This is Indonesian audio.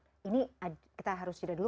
ini kita harus cita dulu